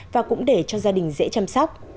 và cũng để cho gia đình dễ chăm sóc